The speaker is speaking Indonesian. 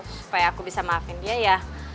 supaya aku bisa maafin dia ya